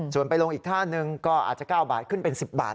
ส่วนไปลงอีกท่านึงก็อาจจะ๙บาทขึ้นเป็น๑๐บาท